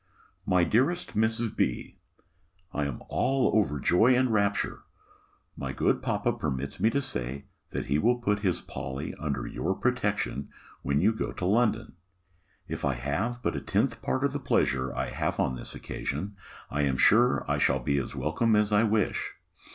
My Dearest Mrs. B., I am all over joy and rapture. My good papa permits me to say, that he will put his Polly under your protection, when you go to London. If you have but a tenth part of the pleasure I have on this occasion, I am sure, I shall be as welcome as I wish.